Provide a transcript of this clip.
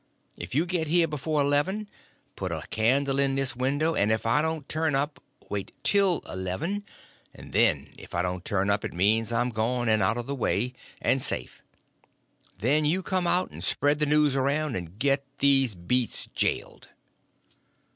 If you get here before eleven put a candle in this window, and if I don't turn up wait till eleven, and then if I don't turn up it means I'm gone, and out of the way, and safe. Then you come out and spread the news around, and get these beats jailed."